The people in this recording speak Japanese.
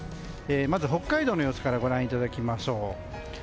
まず、北海道の様子からご覧いただきましょう。